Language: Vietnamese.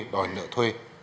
đòi nợ thuê